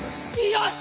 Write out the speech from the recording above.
よし！